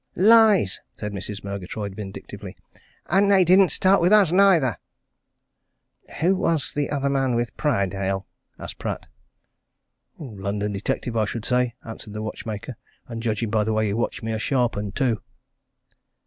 "Lies!" said Mrs. Murgatroyd, vindictively. "And they didn't start wi' us neither!" "Who was that other man with Prydale?" asked Pratt. "London detective, I should say," answered the watchmaker. "And judging by the way he watched me, a sharp 'un, too!"